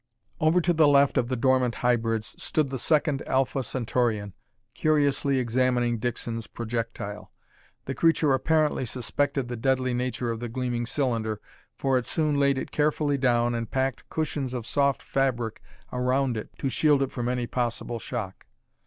Over to the left of the dormant hybrids stood the second Alpha Centaurian, curiously examining Dixon's projectile. The creature apparently suspected the deadly nature of the gleaming cylinder for it soon laid it carefully down and packed cushions of soft fabric around it to shield it from any possible shock.